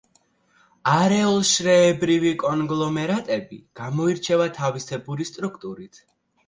არეულშრეებრივი კონგლომერატები გამოირჩევა თავისებური სტრუქტურით.